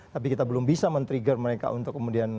tapi kita belum bisa men trigger mereka untuk kemudian